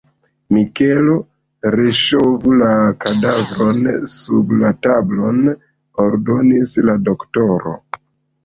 Mikelo, reŝovu la kadavron sub la tablon, ordonis la doktoro.